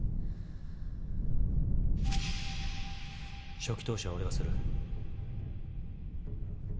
初期投資は俺がする。